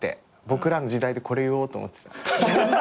『ボクらの時代』でこれ言おうと思ってた。